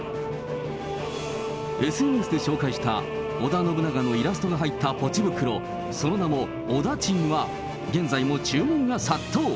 ＳＮＳで紹介した、織田信長のイラストが入ったポチ袋、その名も織田ちんは、現在も注文が殺到。